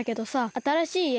あたらしいいえ